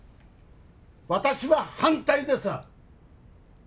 私は反対です！